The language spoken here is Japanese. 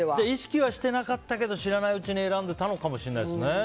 意識はしてなかったけど知らないうちに選んでたのかもしれないですね。